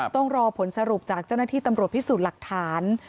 ต้องรอผลสรุปจากเจ้าหน้าที่ตำรวจพิสูจน์หลักฐาน